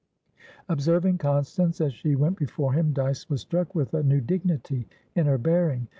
Observing Constance as she went before him, Dyce was struck with a new dignity in her bearing.